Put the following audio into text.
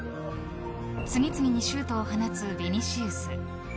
次々にシュートを放つヴィニシウス。